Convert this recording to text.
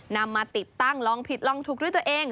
มาติดตั้งลองผิดลองถูกด้วยตัวเอง